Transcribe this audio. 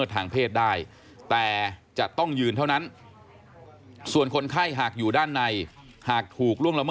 ร้องร้องร้องร้องร้องร้องร้องร้องร้องร้อง